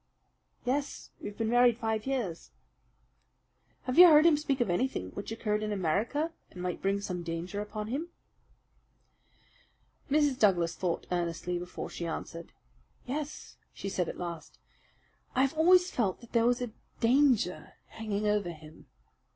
"Yes, we have been married five years." "Have you heard him speak of anything which occurred in America and might bring some danger upon him?" Mrs. Douglas thought earnestly before she answered. "Yes," she said at last, "I have always felt that there was a danger hanging over him.